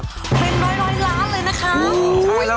เป็นร้อยล้านเลยนะคะ